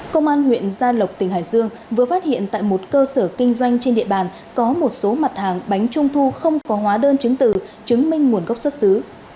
công an huyện gia lộc tỉnh hải dương vừa phát hiện tại một cơ sở kinh doanh trên địa bàn có một số mặt hàng bánh trung thu không có hóa đơn chứng từ chứng minh nguồn gốc xuất xứ